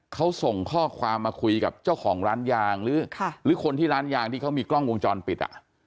เขาส่งข้อความมาคุยกับเจ้าของร้านยางหรือคนที่ร้านยางที่เขามีกล้องวงจรปิด